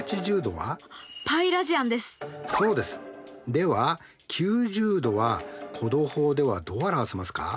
では９０°は弧度法ではどう表せますか？